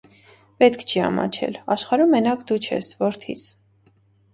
Պետք չի ամաչել, աշխարհում մենակ դու չես, որդիս: